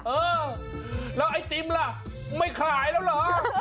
เออแล้วไอติมล่ะไม่ขายแล้วเหรอ